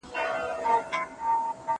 زه به اوږده موده د يادښتونه يادونه کړې وم!؟